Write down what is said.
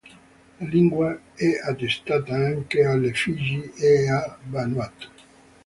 La lingua è attestata anche alle Figi e a Vanuatu.